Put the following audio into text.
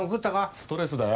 ストレスだよ。